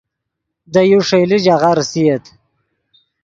دے یو ݰئیلے ژاغہ ریسییت